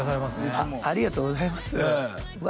ありがとうございますうわ